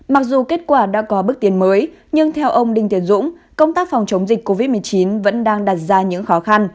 mặc dù kết quả đã có bước tiến mới nhưng theo ông đinh tiến dũng công tác phòng chống dịch covid một mươi chín vẫn đang đặt ra những khó khăn